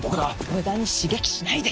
無駄に刺激しないで！